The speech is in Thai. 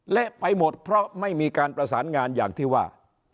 ไปหมดเพราะไม่มีการประสานงานอย่างที่ว่า